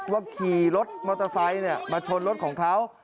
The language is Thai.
ขี่รถมอเตอร์ไซค์มาชนรถของเขา